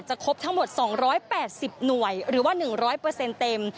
จะครบทั้งหมด๒๘๐หน่วยหรือว่า๑๐๐เปอร์เซ็นต์เต็ม